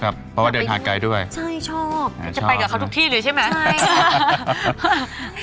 เพราะว่าเดินทางไกลด้วยใช่ชอบจะไปกับเขาทุกที่เลยใช่ไหมใช่ค่ะ